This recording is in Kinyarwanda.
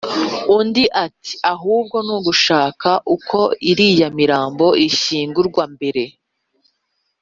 undi ati"ahubwo nugushaka uko iriya mirambo ishyingurwa mbere